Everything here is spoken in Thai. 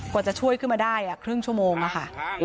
กว่าจะช่วยขึ้นมาได้ครึ่งชั่วโมงค่ะ